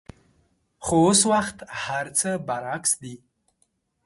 خو اوس وخت هرڅه برعکس دي.